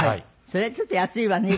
それはちょっと安いわね